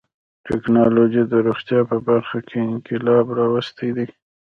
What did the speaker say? ټکنالوجي د روغتیا په برخه کې انقلاب راوستی دی.